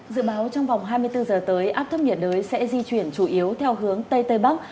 dự báo trong vòng hai mươi bốn giờ tới áp thấp nhiệt đới sẽ di chuyển chủ yếu theo hướng tây tây bắc